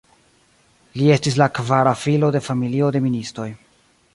Li estis la kvara filo de familio de ministoj.